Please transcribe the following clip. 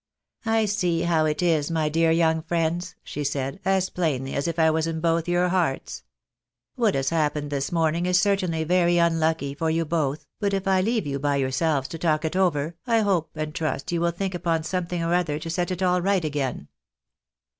" I see how it is, my dear young friends," she said, " as plainly as if I was in both your hearts. What has happened this morning is certainly very unlucky for you both, but if I leave you by your selves to talk it over, I hope and trust you will think upon some thing or other to set it all right again."